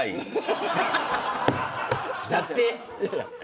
だって。